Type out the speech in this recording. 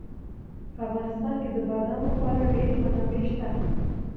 په افغانستان کې د بادامو خورا ډېرې منابع شته دي.